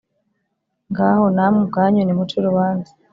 Ngaho namwe ubwanyu nimuce urubanza